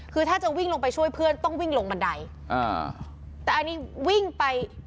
คือถ้าจะวิ่งลงไปช่วยเพื่อนต้องวิ่งลงบันไดอ่าแต่อันนี้วิ่งไป